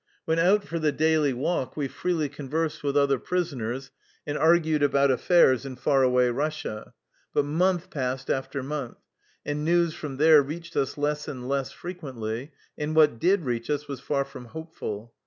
When out for the daily walk we freely conversed with other prisoners, and argued about affairs in far away Russia. But month passed after month, and news from there reached us less and less fre quently, and what did reach us was far from hopeful.